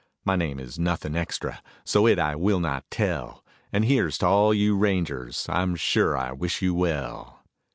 My name is nothing extra, so it I will not tell, And here's to all you rangers, I am sure I wish you well.